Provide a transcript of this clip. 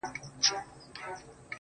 لـه ژړا دي خداى را وساته جانـانـه.